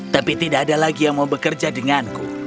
tapi tidak ada lagi yang mau bekerja denganku